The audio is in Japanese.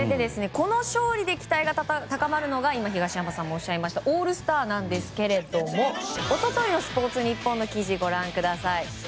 この勝利で期待が高まるのが今、東山さんがおっしゃいまいたオールスターですが一昨日のスポーツニッポンの記事です。